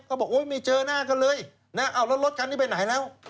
บอกโอ้ยไม่เจอหน้ากันเลยนะเอาแล้วรถคันนี้ไปไหนแล้ว